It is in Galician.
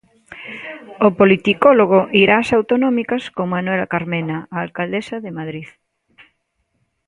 O politicólogo irá ás autonómicas con Manuela Carmena, a alcaldesa de Madrid.